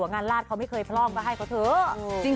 ในนิ้วงานลาดเค้าไม่เคยพร่อง